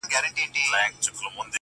له میاشتونو له کلونو؛